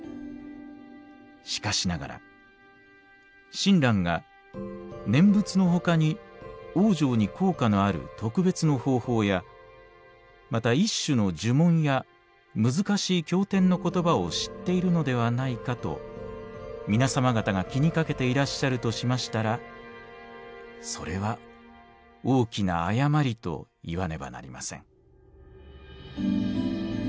しかしながら親鸞が念仏の他に往生に効果のある特別の方法やまた一種の呪文や難しい経典の言葉を知っているのではないかと皆さま方が気にかけていらっしゃるとしましたらそれは大きな誤りと言わねばなりません」。